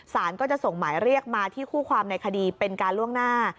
สารก็จะส่งหมายเรียกมาที่คู่ความในคดีเป็นการล่วงหน้า